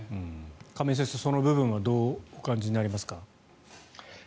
亀井先生、その部分はどうお感じになりますか？